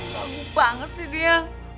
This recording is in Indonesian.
lalu banget sih dia